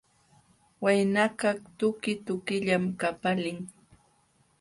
Waynakaq tuki tukillam qapalin.